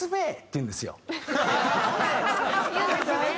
言うんですね。